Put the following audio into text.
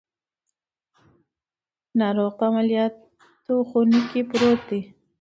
ناروغ په عملیاتو خونه کې پروت دی.